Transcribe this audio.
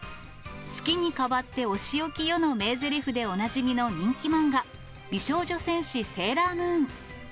月にかわっておしおきよの名ぜりふでおなじみの人気漫画、美少女戦士セーラームーン。